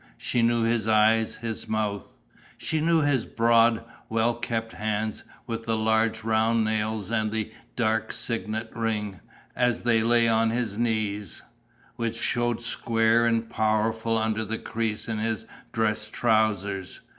She knew his eyes, his mouth. She knew his broad, well kept hands, with the large round nails and the dark signet ring, as they lay on his knees, which showed square and powerful under the crease in his dress trousers.